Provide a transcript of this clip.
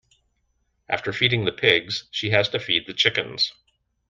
After feeding the pigs, she has to feed the chickens.